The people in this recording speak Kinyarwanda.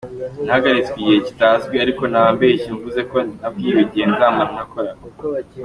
Nahagaritswe igihe kitazwi ariko naba mbeshye mvuze ko nabwiwe igihe nzamara ntakora.